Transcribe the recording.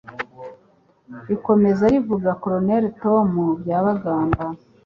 rikomeza rivuga Col. Tom Byabagamba,